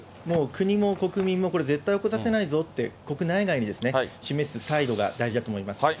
もう国も国民も、これ絶対起こさせないぞって、国内外に示す態度が大事だと思います。